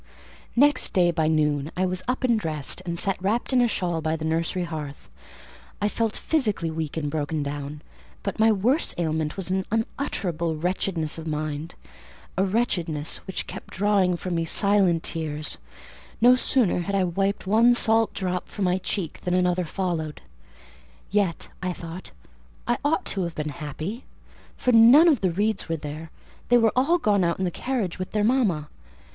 Next day, by noon, I was up and dressed, and sat wrapped in a shawl by the nursery hearth. I felt physically weak and broken down: but my worse ailment was an unutterable wretchedness of mind: a wretchedness which kept drawing from me silent tears; no sooner had I wiped one salt drop from my cheek than another followed. Yet, I thought, I ought to have been happy, for none of the Reeds were there, they were all gone out in the carriage with their mama.